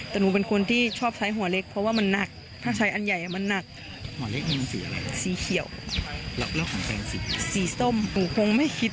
แต่หนูเป็นคนที่ชอบใช้หัวเล็กเพราะว่ามันหนักถ้าใช้อันใหญ่มันหนัก